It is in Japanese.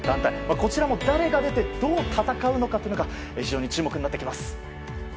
こちらも誰が出てどう戦うかが非常に注目になってきます。